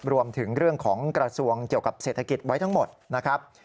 รวมถึงเรื่องของกระทรวงเกี่ยวกับเศรษฐกิจไว้ทั้งหมดนะครับ